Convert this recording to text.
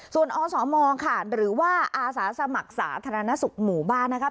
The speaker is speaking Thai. ส่วนอสมค่ะหรือว่าอาสาสมัครสาธารณสุขหมู่บ้านนะคะ